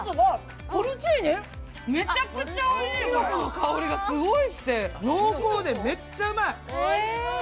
きのこの香りがすごいして濃厚でめっちゃおいしい！